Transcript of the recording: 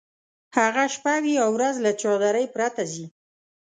هغه شپه وي یا ورځ له چادرۍ پرته ځي.